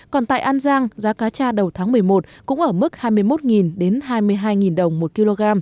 còn tại an giang giá cá tra đầu tháng một mươi một cũng ở mức hai mươi một hai mươi hai đồng một kg